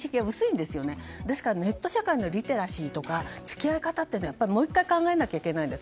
ですから、ネット社会のリテラシーとか付き合い方をもう１回考えなきゃいけないです